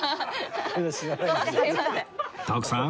徳さん